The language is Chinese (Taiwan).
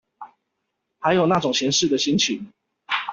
還有那種閒適的心情